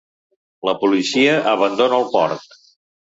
La policia abandona el port.